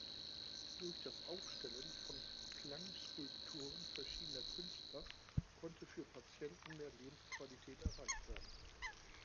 Durch das Aufstellen von Klangskulpturen verschiedener Künstler konnte für Patienten mehr Lebensqualität erreicht werden.